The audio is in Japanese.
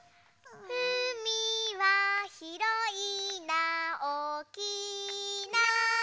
「うみはひろいなおおきいな」